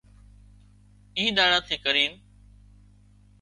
اي ۮاڙا ٿي ڪرينَ